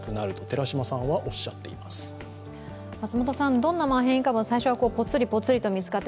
どんな変異株も最初はぽつりぽつりと見つかって